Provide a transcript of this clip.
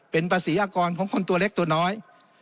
เป็นภาษีอากรของคนตัวเล็กตัวน้อย